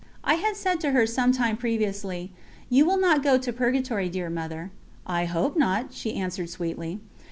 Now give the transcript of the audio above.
I had said to her some time previously: "You will not go to Purgatory, dear Mother." "I hope not," she answered sweetly.